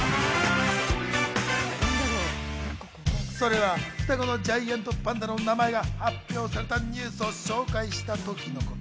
それは双子のジャイアントパンダの名前が発表されたニュースを紹介したときのこと。